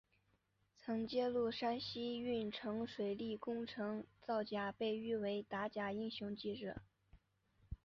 曾揭露山西运城水利工程造假被誉为打假英雄记者。